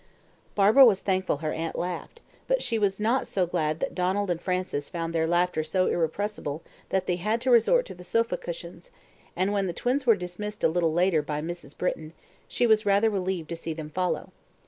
Barbara was thankful her aunt laughed, but she was not so glad that Donald and Frances found their laughter so irrepressible that they had to resort to the sofa cushions; and when the twins were dismissed a little later by Mrs. Britton, she was rather relieved to see them follow.